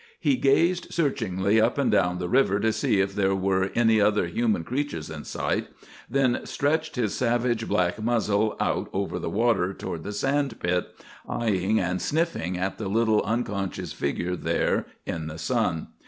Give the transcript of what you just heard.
He gazed searchingly up and down the river to see if there were any other human creatures in sight, then stretched his savage black muzzle out over the water toward the sand spit, eyeing and sniffing at the little unconscious figure there in the sun.